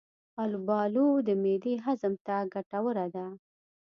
البالو د معدې هضم ته ګټوره ده.